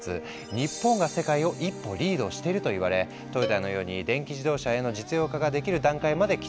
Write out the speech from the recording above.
日本が世界を一歩リードしてるといわれトヨタのように電気自動車への実用化ができる段階まで来ている。